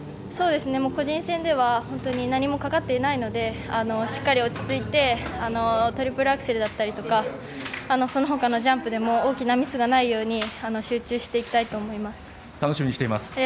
個人戦では何もかかっていないのでしっかり落ち着いてトリプルアクセルだったりとかそのほかのジャンプでも大きなミスがないように楽しみにしています。